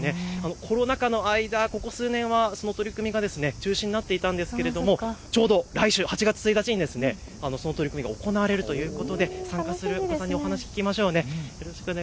コロナ禍の間、ここ数年は相撲の取組が中止になっていたんですがちょうど来週８月１日にその取組が行われるということで参加するお子さんに話を聞きましょう。